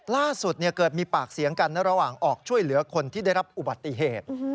ล่าสุดเกิดมีปากเสียงกันระหว่างออกช่วยเหลือคนที่ได้รับอุบัติเหตุ